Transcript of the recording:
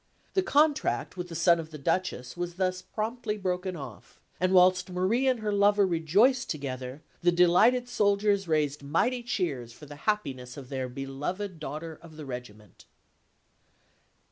The contract with the son of the Duchess was thus promptly broken off; and whilst Marie and her lover rejoiced together, the delighted soldiers raised mighty cheers for the happiness of their beloved Daughter of the Regiment.